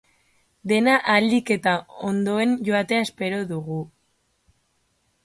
Dena ahalik eta ondoen joatea espero dugu.